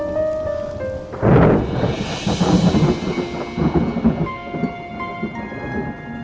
ya enggak apa apa